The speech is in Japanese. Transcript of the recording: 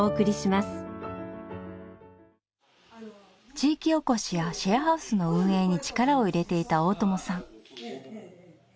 地域起こしやシェアハウスの運営に力を入れていた大友さん。